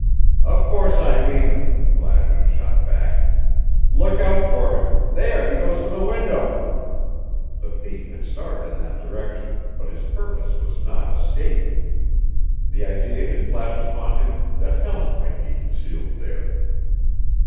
"Of course I mean it," Gladwin shot back. "Look out for him there he goes for the window." The thief had started in that direction, but his purpose was not escape. The idea had flashed upon him that Helen might be concealed there.